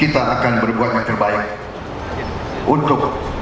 saya berterima kasih kepada anda